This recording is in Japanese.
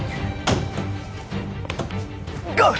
ゴー！